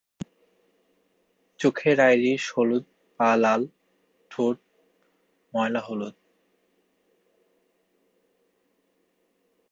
চোখের আইরিস হলুদ, পা লাল, ঠোঁট ময়লা হলুদ।